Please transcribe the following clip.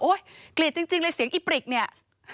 เกลียดจริงเลยเสียงอีปริกเนี่ย